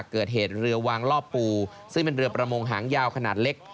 เกิดเหตุเรือวางล่อปูซึ่งเป็นเรือประมงหางยาวขนาดเล็ก